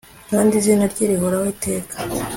kandi izina rye rihoraho iteka